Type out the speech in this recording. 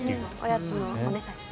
おやつのおねだり。